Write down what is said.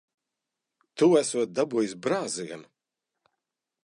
Tu esot dabūjis brāzienu.